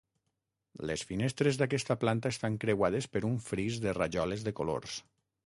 Les finestres d'aquesta planta estan creuades per un fris de rajoles de colors.